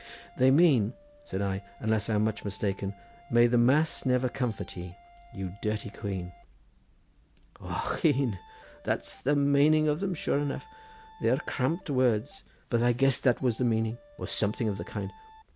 "They mean," said I, "unless I am much mistaken: 'May the Mass never comfort ye, you dirty quean!'" "Ochone! that's the maning of them, sure enough. They are cramped words, but I guessed that was the meaning, or something of the kind.